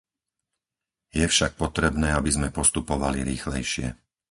Je však potrebné, aby sme postupovali rýchlejšie.